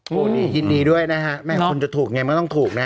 โอ้โหนี่ยินดีด้วยนะฮะแม่คุณจะถูกไงมันต้องถูกนะ